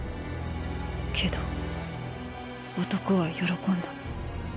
けど男は喜んだ。